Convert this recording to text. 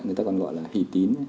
người ta còn gọi là hỷ tín